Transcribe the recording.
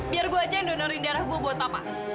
biar gue aja yang donorin darah gue buat apa